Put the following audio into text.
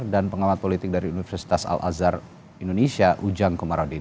dan pengalaman politik dari universitas al azhar indonesia ujang komarudin